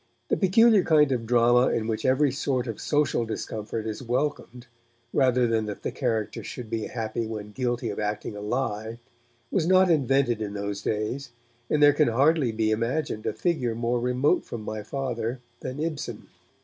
The peculiar kind of drama in which every sort of social discomfort is welcomed rather than that the characters should be happy when guilty of 'acting a lie', was not invented in those days, and there can hardly be imagined a figure more remote from my Father than Ibsen.